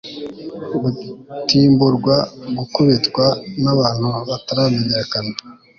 gutimburwa gukubitwa nabantu bataramenyekana